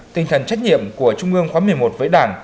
tinh thần trách nhiệm của trung ương khóa một mươi một với đảng